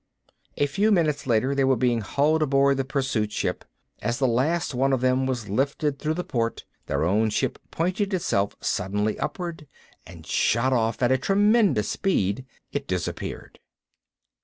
A few minutes later they were being hauled aboard the pursuit ship. As the last one of them was lifted through the port, their own ship pointed itself suddenly upward and shot off at tremendous speed. It disappeared.